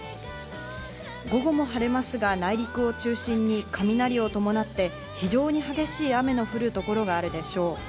午後も晴れますが、内陸を中心に雷を伴って、非常に激しい雨の降る所があるでしょう。